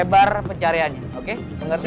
hanya ini mungkin mereka sedikit